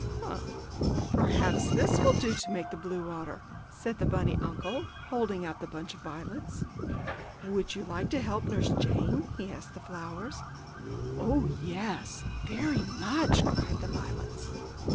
"Ha! Perhaps these will do to make blue water," said the bunny uncle, holding out the bunch of violets. "Would you like to help Nurse Jane?" he asked the flowers. "Oh, yes, very much!" cried the violets.